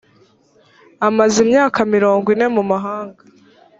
amaze imyaka mirongo ine mumahanga.